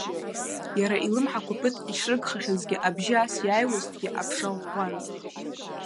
Иара илымҳақәа ԥыҭк ишрыгхахьазгьы, абжьы ас иааҩуазҭгьы, аԥша ӷәӷәан.